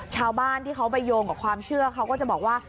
ชาวบ้านที่เขาไปโยงกับความเชื่อเขาก็จะบอกว่า